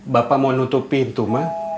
bapak mau nutup pintu mah